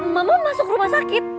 mama masuk rumah sakit